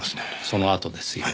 そのあとですよ。